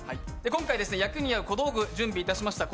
今回、役に合う小道具、準備しました。